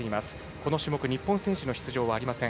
この種目、日本選手の出場はありません。